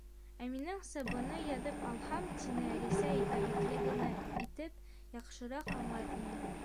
—Ә минеңсә, быны яҙып алһам, —тине Әлисә итәғәтле генә итеп, —яҡшыраҡ аңлар инем.